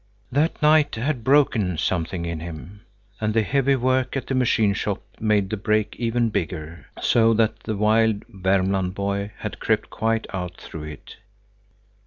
That night had broken something in him, and the heavy work at the machine shop made the break ever bigger, so that the wild Värmland boy had crept quite out through it.